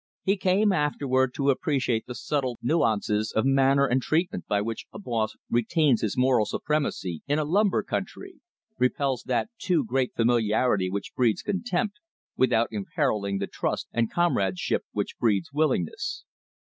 He came afterward to appreciate the subtle nuances of manner and treatment by which a boss retains his moral supremacy in a lumber country, repels that too great familiarity which breeds contempt, without imperiling the trust and comradeship which breeds willingness.